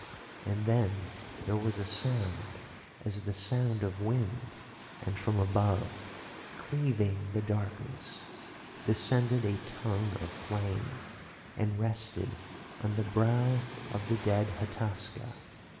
And then there was a sound as the sound of wind, and from above, cleaving the darkness, descended a Tongue of Flame and rested on the brow of the dead Hataska.